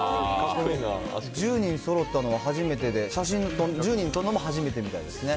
１０人そろったのは初めてで、写真１０人撮るのも初めてみたいですね。